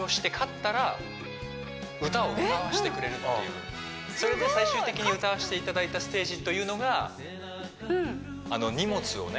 屈強なそれで最終的に歌わせていただいたステージというのがあの荷物をね